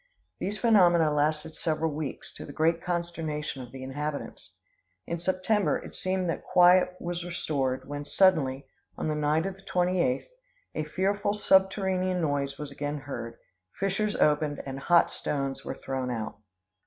These phenomena lasted several weeks, to the great consternation of the inhabitants. In September it seemed that quiet was restored, when suddenly, on the night of the 28th, a fearful subterranean noise was again heard; fissures opened, and hot stones were thrown out.